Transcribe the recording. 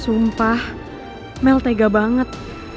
sumpah mel tega banget